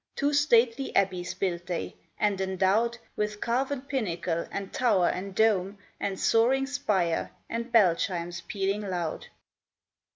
Two stately abbeys built they, and endowed, With carven pinnacle and tower and dome, And soaring spire and bell chimes pealing loud.